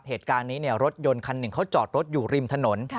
เหตุการณ์นี้รถยนต์คันหนึ่งเขาจอดรถอยู่ริมถนน